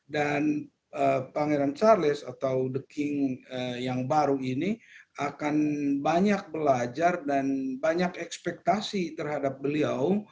pangeran charles atau the king yang baru ini akan banyak belajar dan banyak ekspektasi terhadap beliau